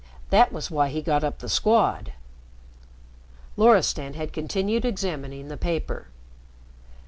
That was why he got up the Squad." Loristan had continued examining the paper.